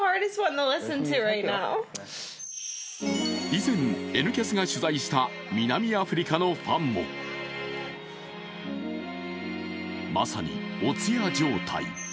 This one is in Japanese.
以前「Ｎキャス」が取材した南アフリカのファンもまさにお通夜状態。